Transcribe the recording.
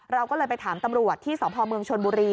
เราก็เลยไปถามตำรวจที่สพเมืองชนบุรี